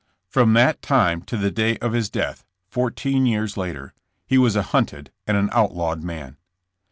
From that time to the day of his death, four teen years later, he was a hunted and an outlawed man.